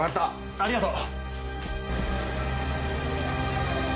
ありがとう。